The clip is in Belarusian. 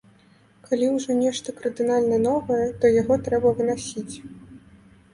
Калі ўжо нешта кардынальна новае, то яго трэба вынасіць.